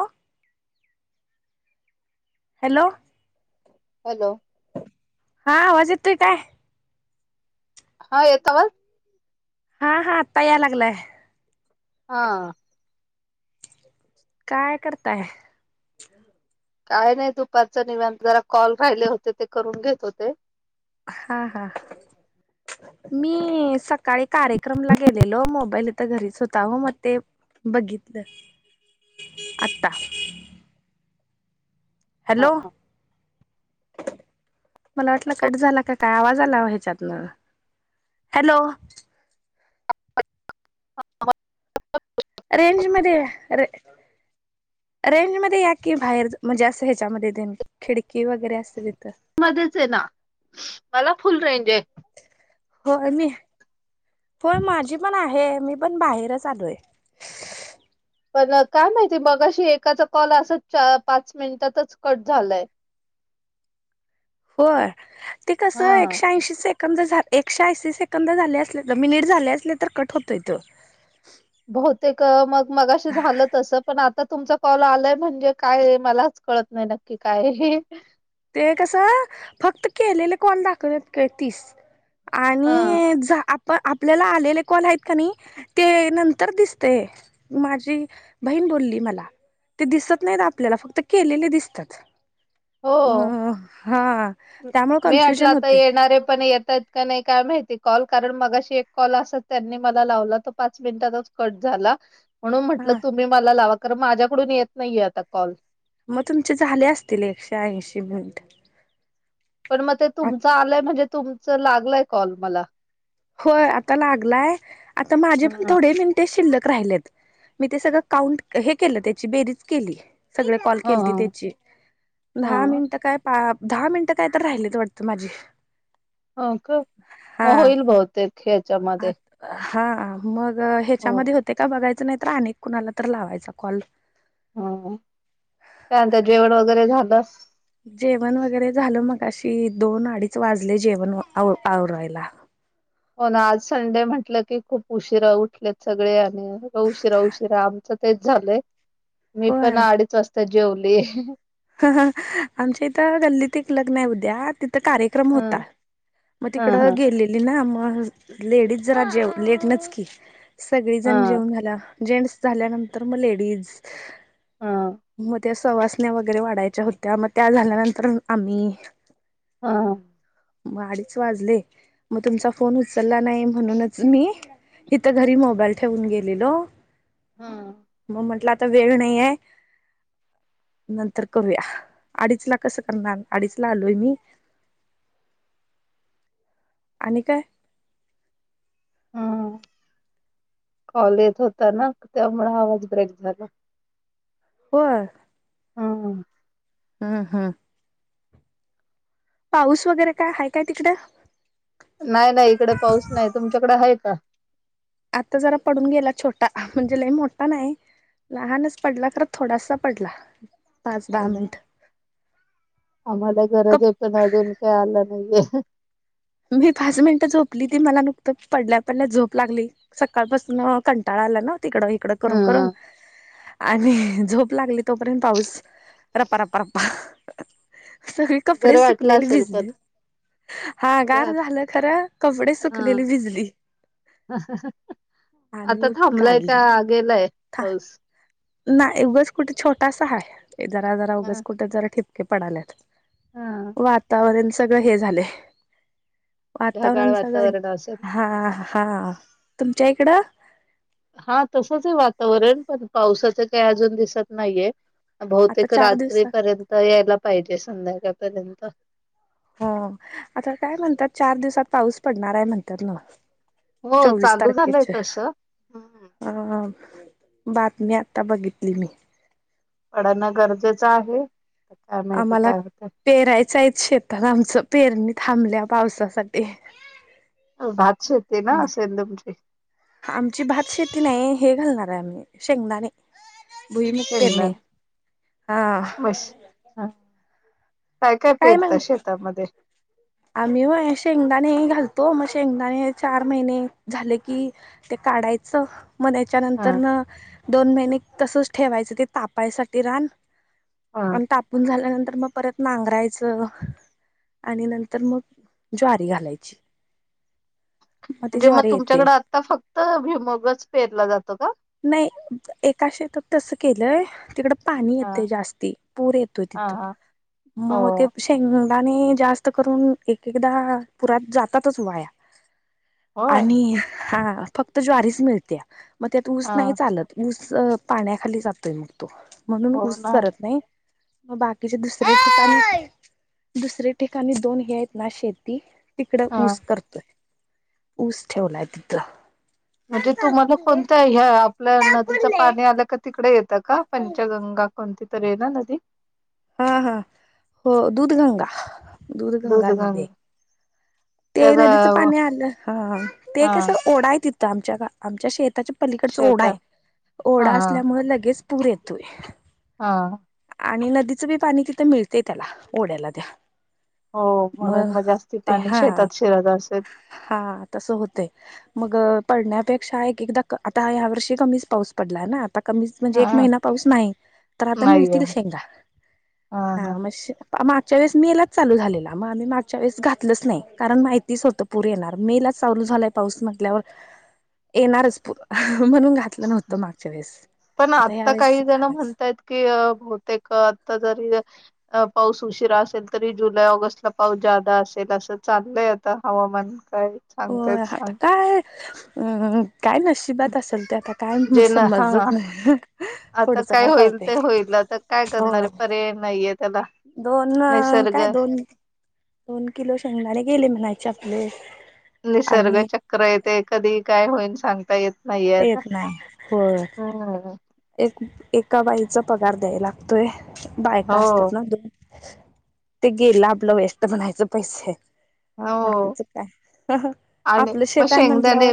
ऑ? Hello. Hello. हा, आवाज येतोय काय? हा येतो आवाज? हा.. हा. आत्ता या लागलाय. हा. काय करताय? काय नाही. दुपारच निवांत जरा कॉल राहिले होते, ते करून घेत होते. हा.. हा. मी सकाळी कार्यक्रमला गेलेलो, मोबाईल इथ घरीच होता हो मग ते बघितलं, आता. हा. हॅलो. मला वाटलं कट झाला का काय, आवाज आला ओ ह्याच्यातनं. हॅलो. रेंज मध्ये या रे रेंज मध्ये या की बाहेर, म्हणजे असं ह्याच्यामध्ये तेन खिडकी वगैरे असंते तिथं. मध्येच आहे ना. मला फुल रेंज आहे. होय मी, होय माझी पण आहे. मी पण बाहेरच आलोय. पण काय माहिती, मघाशी एकाचा कॉल असांच पाच मिनिटातच कट झालंय. होय. ते कसं हा एकशे ऐंशीच सेकंद सेकंद, एकशे ऐंशी सेकंद झाले असले तर मिनिट झाले असले तर कट होतो त्यो. बहुतेक मग, मघाशी झालं तसं. पण आत आता तुमचा कॉल आलायं म्हणजे काय? मलाच कळत नाही, नक्की काय. ते कसं, फक्त केलेले कॉल दाखवतेत का तीस. हा आणि झा... आप पण आपल्याला आलेले कॉल आहेत का नाही, ते नंतर दिसते. माझी बहीण बोलली मला. ते दिसत नाहीत आपल्याला, फक्त केलेले दिसतात. हो म्ह.. हा. त्यामुळे मी म्हटलं कन्फ्युजन आता होते येणारे पण येतात. का नाही काय माहिती कॉल, कारण मगाशी एक कॉल असत त्यांनी मला लावला तो पाच मिनिटातच कट झाला. म्हणून म्हटलं हा तुम्ही मला लावा, कारण माझ्याकडून येत नाहीये आता कॉल. मग तुमचे झाले असतील एकशे ऐंशी मिनीट. पण मग ते तुमचं आलंय म्हणजे, तुमचं लागलय कॉल मला. होय आता लागलाय, आता माझे पण हा थोडे मिनटे शिल्लक राहिलेत. मी ते सगळं काउंट, हे केलं त्याची बेरीज केली. सगळे कॉल केलते हा त्याची, दहा हा मिनटं कायऽ हां, दहा मिनटं काय तर राहिलीच वाटतं माझी. हो का, हा मग होईल बहुतेक आ ह्याच्यामध्ये. हा, मग हो. ह्याच्यामध्ये होते का बघायचं, नाही तर अनेक कुणाला तर लावायचा कॉल. हं.. हं, चालतंय जेवण वगैरे झालं? जेवण वगैरे झालं, मगाशी दोन अडीच वाजले जेवण आवरायला. हो ना आज संडे म्हंटलं की खूप उशिरा उठलेत सगळे, आणि उशिरा, उशिरा आमचंऽ तेच झालंय, मी पण होय अडीच वाजता जेवलेय. आमच्या इथं गल्लीत एक लग्न आहे उद्या, तिथं कारेऽ क्रम होता, हं मग हं तिकडं हं गेले ना मग, लेडीज जरा जेव लेट नच की, सगळी जण हं जेवून झालाव जेंट्स झाल्यानंतर मग लेडीज, हं मग त्या सवासण्या वग वगैरे वाढायच्या होत्या, मग त्या झाल्यानंतर आम्ही. हां. मग अडीच वाजले, मग तुमचा फोन उचलला नाही म्हणूनच मीऽ इथं घरी मोबाईल ठेवून गेलेलो. हां.. मग म्हटलं आता वेळ नाही आहे, नंतर करूया, अडीचला कसं करणार, अडीचला आलोय मी. आणि काय? हं कॉल येत होता ना, त्यामुळं आवाज ब्रेक झाला. होय. हा हं. अ हा. पाऊस वगैरे काय, आहे काय तिकडं? नाही नाही इकडे पाऊस नाही, तुमच्याकडे हाय का? आता जरा पडून गेला छोटा, म्हणजे लई मोठा नाही, लहानच पडला खरं थोडासा पडला. पाच दहा हो ना, मिनिट आम्हांला कप गरज आहे पण अजून काही आलं नाहीये. मी पाच मिनिटं झोपली ती, मला नुकतच पडल्या पडल्या झोप लागली. सकाळपासनं कंटाळा आला ना तिकडं- इकडं करून करून, हं आणिऽ झोप लागली तोपर्यंत पाऊस रप्पा, रप्पा, रप्पा. सगळी कपडे बरं वाटलं सुकलेली असेल पण भिजले. आ गार झालं खरं, कपडे सुकलेली हं भिजली. आणि आता उठ थांबलाय का, काढली गेलाय पाऊस.? नाही, ऊगंच कुठं छोटासा आहे, जरा जरा उघंच हं कुठे जरा ठिपके पडाल्यात. हं वातावरण सगळं हे झालंय, ढगाळ वातावरण सगंऴ, वातावरण असेल. हा हा तुमच्या इकडं,? हा, तसंच आहे वातावरण, पण पावसाचं काही अजून दिसत नाहीये. आता बहुतेक चार दिवसात रात्रीपर्यंत यायला पाहिजे, संध्याकाळपर्यंत. हो, आता काय म्हणतात चार दिवसात पाऊस पडणार आहे म्हणत्यात न्हवं हो चोवीस चालू झालंय तारखेचे. तसं हम्म अं बातमी आता बघितली मी. पडणं, गरजेचं आहे काय माहिती काय होतय? पेरायचायत शेतात आमचं पेरणी थांबल्या पावसासाठी. भात शेती ना असेल तुमची? आमची भात शेती नाही हे घालणार आहे आम्ही शेंगदाणे. भईमुग पेरणे शेंगदाणा हा. हा, काय काय पेरता शेतामध्ये? आम्ही व्हय शेंगदाणे घालतो, मग शेंगदाणे चार महिने झाले की, ते काढायचं म्हनाय हा च्यानंतरनं, दोन महिने तसच ठेवायचं ते तापायसाठी रान हा आणि, तापून झाल्यानंतर. मग परत, नांगरायचं. आणि नंत र मग, ज्वारी घालायची. ती म्हणजे मग ज्वारी येते तुमच्याकड आता. फक्त भुईमूगच, पेरला जातो का? नाही एका शेतात, तसं केलंय. तिकडं पाणी हा येतंय जास्ती पूर येतोय हा तिथं‌ हा म हो ते शे शेंगदाणे जास्त करून एक-एकदा पुरात जातातच वाया. होय आणि हा फक्त ज्वारीच मिळत्या मग त्यात ऊस हा नाही चालत. ऊस, पाण्याखाली जातोय मग तो. म्हणून हो ऊस ना करत नाही. म. बाकीच्या दुसर्या ठिकाणी दुसरे ठिकाणी दोन हे आहेत ना शेती तिकडं हा ऊस करतोय ऊस ठेवलाय तिथं. म्हणजे, तुम्हाला कोणत्या? ह्या आपल नदीच पाणी आलं का? तिकडे येतं का पंचग गंगा कोणती तरी, आहे ना नदी हा हा हो दूधगंगा दूधगंगा नदी हाय ते, त्या ग नदीचं पाणी आलं हा हा ते कसं ओढा हाय तिथं आमच्या गा आमच्या शेताच्या पलीकडंच ओढा हाय शेतात हा ओढा हा असल्यामुळे लगेच पूर येतोय. हा. आणि नदीचं बी पाणी तिथं मिळतय त्याला ओढ्याला त्या. हो म्हणून मग म जास्ती ते पाणी हा शेतात शिरत असेल. हा तसं होतय. मग पडण्यापेक्षा, एक एकदा क आता ह्या वर्षी कमीच पाऊस पडला ना? आता कमीच, म्हणजे एक हा महिना, पाऊस नाही तर आता, नाहीये मिळतील शेंगा हा म शे मागच्या वेळेस मे लाच चालू झालेला. म आम्ही मागच्या वेळेस, घातलच नाही. कारण माहितीच होतं. पूर येणार मे लाचं चालू झालाय पाऊस म्हटल्यावर येणारच पूर म्हणून घात तलं नव्हतं मागच्या वेळेस पण आता ह्या वेळेस काही जण घालायचं. म्हणतायत की बहुतेक आता जरी अ पाऊस उशिरा असेल तरी, जुलै-ऑगस्टला पाऊस जादा असेल असं चाललंय आता हवामान मग काय चांगतेस सांग हम्म हम्म हम्म काय नशि बात असंल ते आता काय मग जे ना हा समजत नाही आता पुढंच काय होईल कळतंय? ते होईल आता काय करणारे? पर्याय नाहीये त्याला. दोन अ निसर्ग काय? दोन-दोन किलो शेंगदाणे गेले म्हणायचे आपले. निसर्ग आणि चक्र हाय ते कधी काय होईन सांगता येत नाहीये आता येत नाही, होय. हम्म एक-एका बाईचा पगार द्याय लागतोय, बायका हो असतात ना, दु ते गेलं आपलं वेष्ट म्हणायचं पैसे. हो बाकीच काय? हं-हं. आणि आपलं मग शेत हाय शेंगदाणे म्हटल्यावर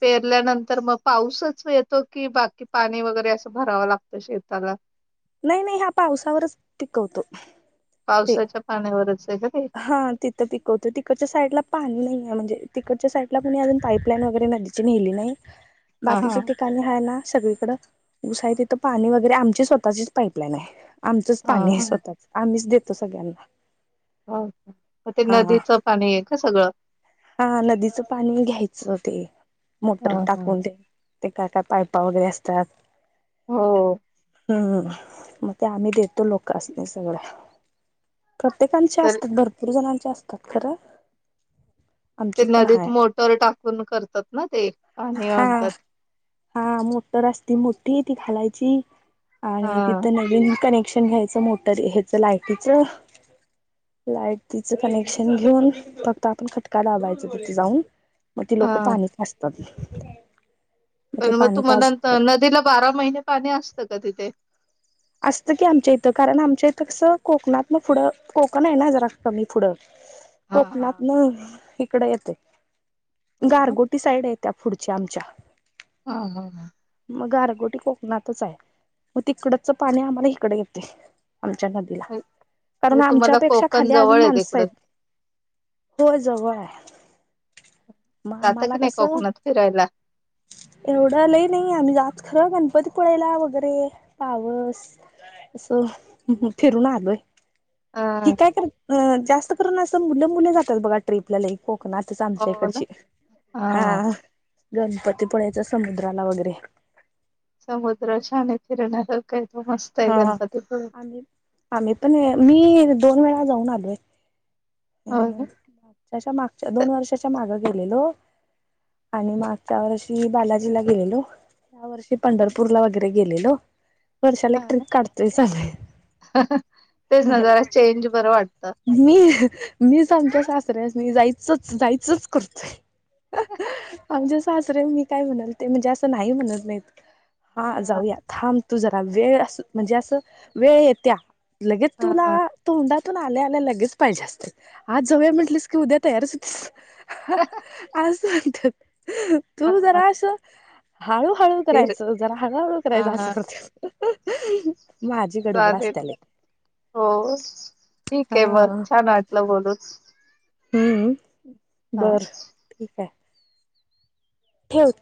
पेरल्यानंतर मग पाऊसच येतो की? बाकी पाणी वगैरे असं भरावं लागतं शेताला? नाही नाही ह्या पावसावरच पिकवतो. पावसाच्या पाण्यावरच आहे का ते? हां तिथं पिकवतो, तिकडच्या साईडला पाणी नाहीे हाय, म्हणजे तिकडच्या साइडला कोणी अजून पाईपलाईन वगैरे नदी ची नेली नाही, हा बाकीचे हा ते पाणी हाय ना सगळीकडं, ऊस हाय तिथं पाणी वगैरे आमची स्वतःचीच पाईपलाईन हाय. आमचच हा पाणी हाय हा स्वतःच, आम्हीच देतो सगळ्यांला. हा म ते नदीचं पाणीये कां सगळं? हां, नदीचं पाणी घ्यायचं ते, मोटर ह ह टाकून ते ते काय-काय पायपा वगैरे असतात. हो हो. हम्म, म ते आम्ही देतो लोकासनी सगळं. प्रत्येकांची तर असतात, भरपूर जणांचे असतात खरं. ते आमची पण नदीत हाय मोटर टाकून करतात ना ते आणि हा आणतात. हा मोटर असती मोठी ती घालायची, आणि हा तिथं नवीन कनेक्शन घ्याय च मोटरी, ह्याच लायटीच लाईटीच कनेक्शन घेऊन फक्त आपण खट का लावायचं तिथ जाऊन, म ती लोक हा पाणी पाजतात. मग ते पण म पाणी तुम्हाला पाजतात नदीला, बारा महिने पाणी असतं का तिथे? असतं की आमच्या इथं, कारण आमच्या इथं कसं कोकणात न पुढं कोकण आहे ना जरा कमी पुढं हा हा कोकणात न इकड येतय. हो ना गारगोटी साईड ये त्या पुढची आमच्या. हा हा. म गारगोटी कोकणातच हाय म तिकडच पाणी आम्हाला हिकडं येतय. आमच्या नदीला, कारण म्हणजे तुम्हाला आमच्यापेक्षा कोकण खाली अजून जवळ आहे माणसं तिकडून आहेत होय जवळ हाय, म जाता आमला की नाही कसं कोकणात फिरायला? एवढं लय नाही आम्ही जात खरं गणपतीपुळेला वगैरे, पावस असं फिरून आलोय. की हा काय कर जास्त करून असं मुलं मुली जात्यात बघा ट्रिपला लय कोकणातच आमच्या हो ना इकडची, हा हां गणपती पुळ्याच्या समुद्राला वगैरे. समुद्र छान हे, फिरण्या सारखा य तो मस्त. आहे हा गणपतीपुळे आम्ही, आम्ही पण मी दोन वेळा जाऊन आलोय. हो अं ना त्याच्या मागच्या दोन त- वर्षाच्या मागं गेलेलो आणि मागच्या वर्षी बालाजीला गेलेलो या वर्षी पंढरपूरला वगैरे गेलेलो वर्षाला एक ट्रिप काढतोय चालूय तेच ना जरा चेंज बर वाटतं. मी, मीच आमच्या सासऱ्यास नि जायचच जायचंच करतोय. आमचे सासरे मी काय म्हणल ते म्हणजे असं नाही म्हणत नाहीत. हा जाऊया, थांब तू जरा, वेळ अस म्हणजे असं वेळ येत्या लगेच हा तुला, तोंडातून आल्याऽ लगेच पाहिेजे असतय, आज जाऊया म्हंटलीस की उद्या तयारच होतीस, आजऽ तू हा जरा असऽ हळूहळू धीर करायचं, जरा हळूहळू करायचं असं हा करत्यात. माझी गडबड चालेल असतीया लय. हो, ठीक आहे मग, हा छान वाटलं बोलून, हम्म, हा. बरं ठीक आहे. ठेवते.